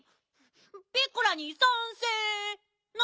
ピッコラにさんせい。な？